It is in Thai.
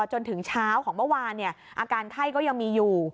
จนถึงเช้าของเมื่อวานอาการไข้ก็ยังมีอยู่